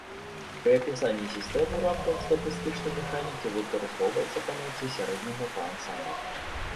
Пры апісанні сістэм у рамках статыстычнай механікі выкарыстоўваецца паняцце сярэдняга па ансамблі.